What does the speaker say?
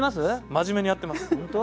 真面目にやってます。本当？